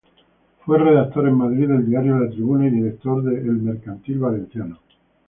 Fue redactor en Madrid del diario "La Tribuna" y director de "El Mercantil Valenciano".